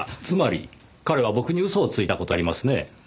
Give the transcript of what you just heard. つまり彼は僕に嘘をついた事になりますね。